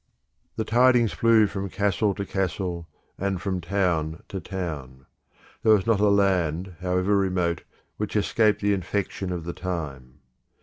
The tidings flew from castle to castle, and from town to town; there was not a land, however remote, which escaped the infection of the time.